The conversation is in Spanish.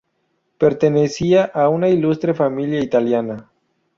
Pertenecía a una ilustre familia italiana.